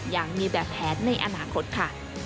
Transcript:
อย่างมีแบบแผนในอนาคตค่ะ